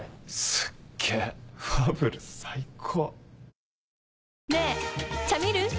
すっげぇファブル最高！